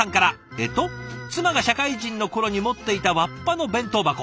えっと「妻が社会人の頃に持っていたわっぱの弁当箱。